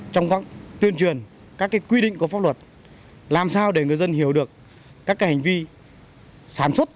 trong các tuyên truyền các cái quy định của pháp luật làm sao để người dân hiểu được các cái hành vi sản xuất